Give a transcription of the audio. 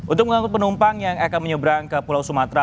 untuk mengangkut penumpang yang akan menyeberang ke pulau sumatera